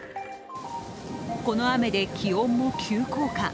この雨で気温も急降下。